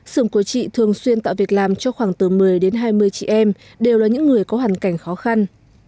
sưởng của chị thường xuyên tạo việc làm cho khoảng từ một mươi đến hai mươi chị em đều là những người có hoàn cảnh khó khăn